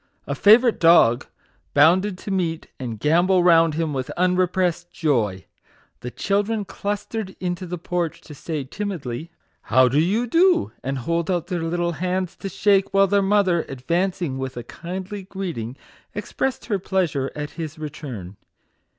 A favourite dog bounded to meet and gambol round him with unrepressed joy. The chil dren clustered into the porch to say, timidly, " How do you do ?" and hold out their little hands to shake ; while their mother, advancing with a kindly greeting, expressed her pleasure at his return.